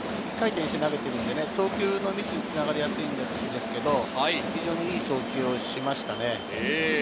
１回転して投げてるので送球のミスにつながりやすいんですけれど、非常にいい送球をしましたね。